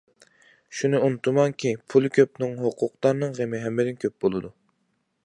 شۇنى ئۇنتۇماڭكى، پۇلى كۆپنىڭ، ھوقۇقدارنىڭ غېمى ھەممىدىن كۆپ بولىدۇ.